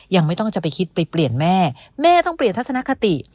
ยังไม่ต้องจะไปคิดไปเปลี่ยนแม่แม่ต้องเปลี่ยนทัศนคติ